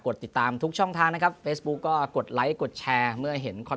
เราต้องมาเล่น๔เกม